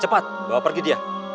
cepat bawa pergi dia